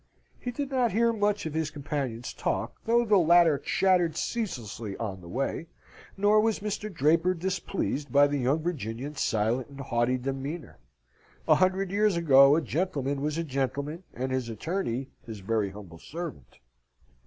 He did not hear much of his companion's talk, though the latter chattered ceaselessly on the way. Nor was Mr. Draper displeased by the young Virginian's silent and haughty demeanour. A hundred years ago a gentleman was a gentleman, and his attorney his very humble servant.